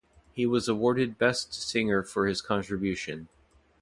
He was awarded Best Singer for his contribution.